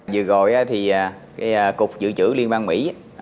vừa gọi thì cục dự trữ liên bang mỹ